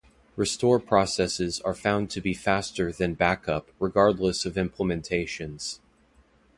Restore processes are found to be faster than backup regardless of implementations.